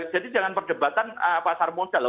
jadi jangan perdebatan pasar modal